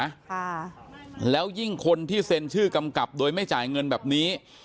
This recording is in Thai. ค่ะแล้วยิ่งคนที่เซ็นชื่อกำกับโดยไม่จ่ายเงินแบบนี้